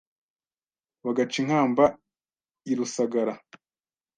Bagaca inkamba i Rusagara